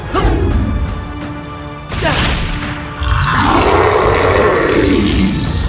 lepas itu kau akan menang